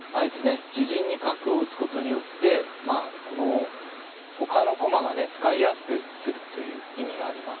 自陣に角を打つことによってまあこのほかの駒がね使いやすくするという意味があります。